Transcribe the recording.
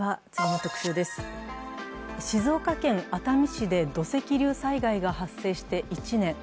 静岡県熱海市で土石流災害が発生して１年。